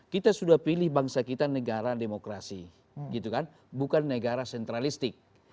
kita sudah pilih bangsa kita negara demokrasi bukan negara sentralistik